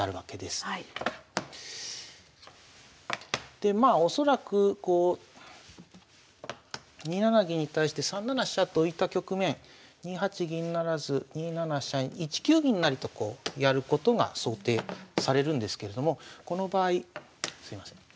でまあ恐らくこう２七銀に対して３七飛車と浮いた局面２八銀不成２七飛車１九銀成とこうやることが想定されるんですけれどもこの場合すいません。